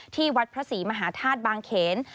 ที่วัดพระศรีมหาธาตุบางเขน